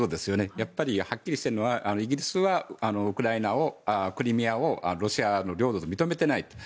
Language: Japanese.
やっぱり、はっきりしているのはイギリスは、クリミアをロシアの領土と認めていないと。